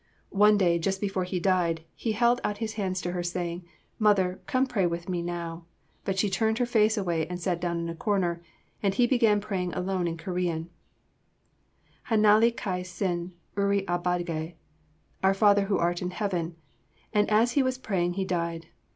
One day, just before he died, he held out his hands to her, saying, "Mother, come pray with me now," but she turned her face away and sat down in a corner, and he began praying alone in Korean, "Hanale Kai sin, uri abage," "Our Father who art in Heaven," and, as he was praying, he died.